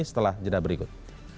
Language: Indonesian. setelah jadah berikut